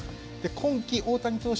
今季大谷投手